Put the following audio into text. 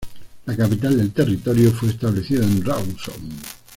La capital del territorio fue establecida en Rawson.